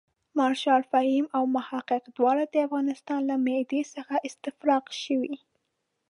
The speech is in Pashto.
مارشال فهیم او محقق دواړه د افغانستان له معدې څخه استفراق شوي.